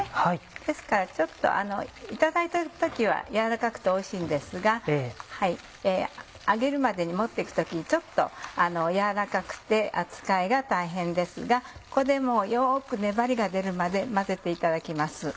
ですからいただいた時は軟らかくておいしいんですが揚げるまでに持って行く時ちょっと軟らかくて扱いが大変ですがここでよく粘りが出るまで混ぜていただきます。